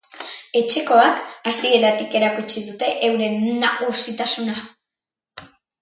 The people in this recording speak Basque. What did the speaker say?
Etxekoak hasieratik erakutsi dute euren nagusitasuna.